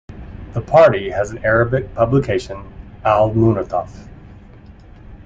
The party has an Arabic publication, "Al Mounataf".